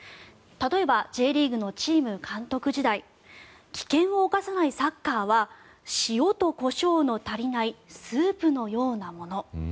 例えばＪリーグのチーム監督時代危険を冒さないサッカーは塩とコショウの足りないスープのようなもの。